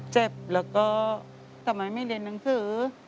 เจ็บแล้วก็สมัยไม่เรียนหนึ่งคือ